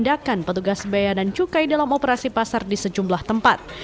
dan hasil penindakan petugas bea dan cukai dalam operasi pasar di sejumlah tempat